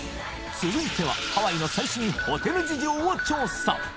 続いてはハワイの最新ホテル事情を調査